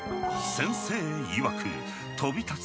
先生いわく飛び立つ